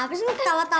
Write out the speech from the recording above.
ngapain lu ketawa tau